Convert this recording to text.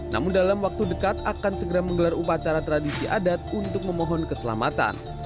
namun dalam waktu dekat akan segera menggelar upacara tradisi adat untuk memohon keselamatan